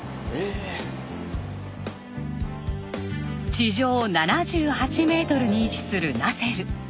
地上７８メートルに位置するナセル。